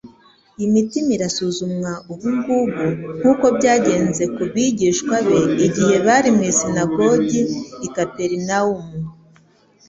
Imitima irasuzumwa ubu ngubu nk'uko byagenze ku bigishwa be igihe bari mu isinagogi i Kaperinawumu.